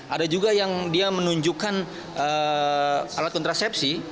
ada juga yang dia menunjukkan alat kontrasepsi